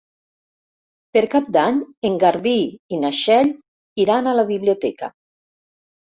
Per Cap d'Any en Garbí i na Txell iran a la biblioteca.